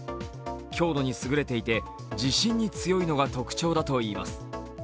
強度に優れていて地震に強いのが特徴だといいます。